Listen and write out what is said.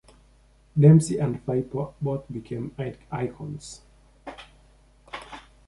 Dempsey and Firpo both became icons.